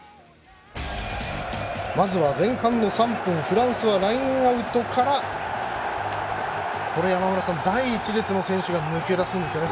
まずは前半の３分フランスはラインアウトから山村さん、第１列の選手が最後に抜け出すんですよね。